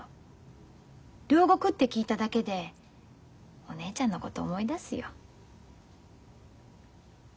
両国って聞いただけでお姉ちゃんのこと思い出すよ。